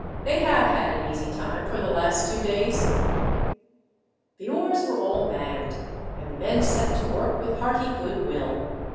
They have had an easy time for the last two days." The oars were all manned, and the men set to work with hearty goodwill.